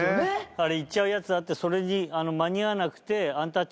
あれ行っちゃうやつあってそれに間に合わなくて。